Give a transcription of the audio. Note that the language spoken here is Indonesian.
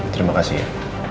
terima kasih ya